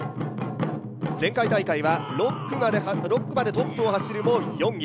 前回大会は６区までトップを走るも４位。